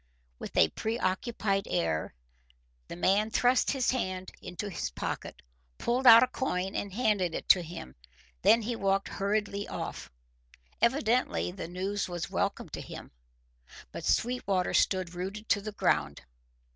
With a preoccupied air, the man thrust his hand into his pocket, pulled out a coin, and handed it to him. Then he walked hurriedly off. Evidently the news was welcome to him. But Sweetwater stood rooted to the ground.